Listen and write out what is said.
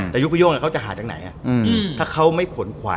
แล้วมันพอไปตามอย่างนี้